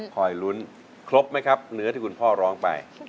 คอยลุ้นครบไหมครับเนื้อที่คุณพ่อร้องไป